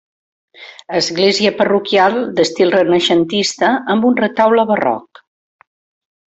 Església parroquial d'estil renaixentista, amb un retaule barroc.